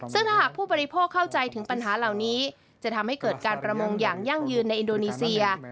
ซึ่งถ้าหากผู้บริโภคเข้าใจถึงปัญหาเหล่านี้จะทำให้เกิดการประมงอย่างยั่งยืนในอินโดนีเซีย